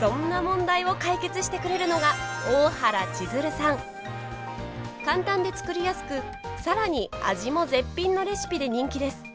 そんな問題を解決してくれるのが簡単で作りやすく更に味も絶品のレシピで人気です。